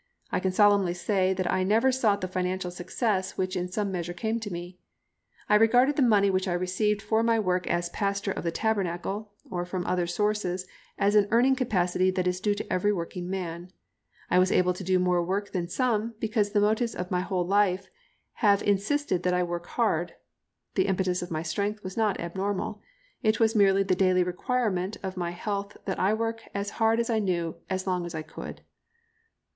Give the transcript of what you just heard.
I can solemnly say that I never sought the financial success which in some measure came to me. I regarded the money which I received for my work as pastor of the Tabernacle, or from other sources as an earning capacity that is due to every working man. I was able to do more work than some, because the motives of my whole life have insisted that I work hard. The impetus of my strength was not abnormal, it was merely the daily requirement of my health that I work as hard as I knew how as long as I could.